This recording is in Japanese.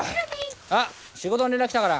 あっ仕事の連絡来たから。